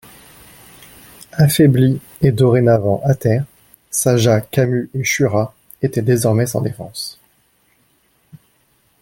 Affaiblis et dorénavant à terre, Saga, Camus et Shura étaient désormais sans défense.